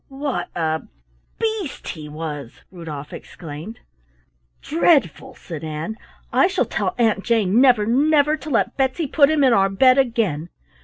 "What a beast he was!" Rudolf exclaimed. "Dreadful!" said Ann. "I shall tell Aunt Jane never, never to let Betsy put him in our bed again."